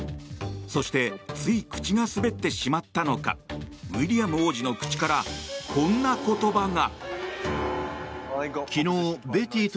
そしてつい口が滑ってしまったのかウィリアム王子の口からこんな言葉が。